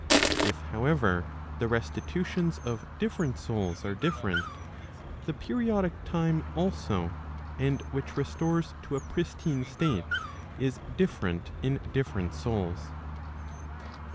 If, however, the restitutions of different souls are different, the periodic time also and which restores to a pristine state, is different in different souls.